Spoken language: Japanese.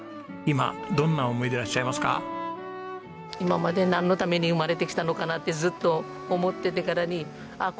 今までなんのために生まれてきたのかなってずっと思ってたからにあっ